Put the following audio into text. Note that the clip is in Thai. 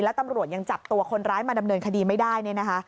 และตำรวจยังจับตัวคนร้ายมาดำเนินคดีไม่ได้